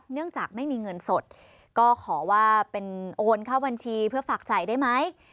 เนื่องจากไม่มีเงินสดก็ขอว่าเป็นโอนเข้าบัญชีเพื่อฝากจ่ายได้ไหม